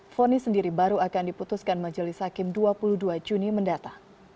fonis sendiri baru akan diputuskan majelis hakim dua puluh dua juni mendatang